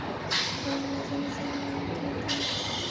和维吉尼亚的切塞皮克湾桥梁及隧道。